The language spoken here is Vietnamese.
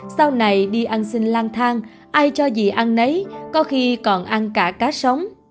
sau này đi ăn xin lang thang ai cho gì ăn nấy có khi còn ăn cả cá sống